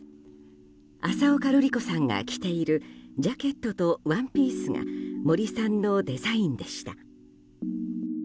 浅丘ルリ子さんが着ているジャケットとワンピースが森さんのデザインでした。